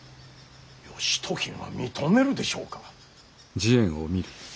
義時が認めるでしょうか。